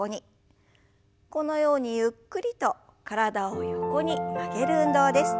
このようにゆっくりと体を横に曲げる運動です。